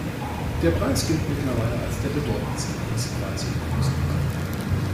Der Preis gilt mittlerweile als der bedeutendste Kunstpreis in Großbritannien.